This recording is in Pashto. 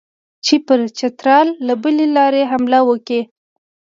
چې پر چترال له بلې لارې حمله وکړي.